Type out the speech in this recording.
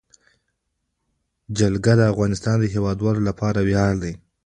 جلګه د افغانستان د هیوادوالو لپاره ویاړ دی.